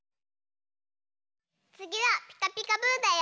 つぎは「ピカピカブ！」だよ！